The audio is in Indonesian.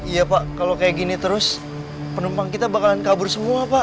iya pak kalau kayak gini terus penumpang kita bakalan kabur semua pak